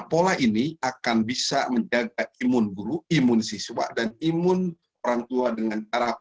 pola ini akan bisa menjaga imun guru imun siswa dan imun orang tua dengan cara